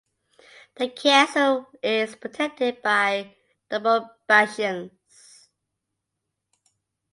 The castle is protected by double bastions.